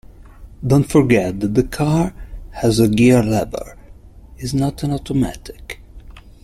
Don't forget that the car has a gear lever; it's not an automatic